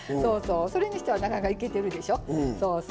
それにしてはなかなか、いけてるでしょ？